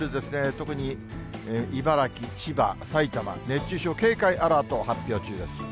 特に茨城、千葉、埼玉、熱中症警戒アラート発表中です。